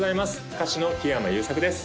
歌手の木山裕策です